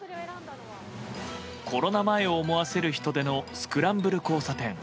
コロナ前を思わせる人出のスクランブル交差点。